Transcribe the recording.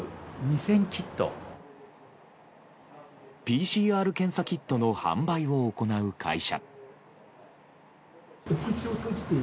ＰＣＲキットの販売を行う会社。